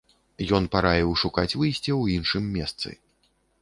Ён параіў шукаць выйсце ў іншым месцы.